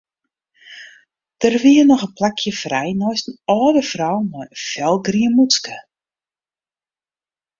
Der wie noch in plakje frij neist in âlde frou mei in felgrien mûtske.